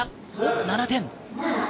７点。